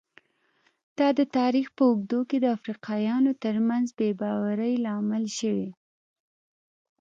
دا د تاریخ په اوږدو کې د افریقایانو ترمنځ بې باورۍ لامل شوي.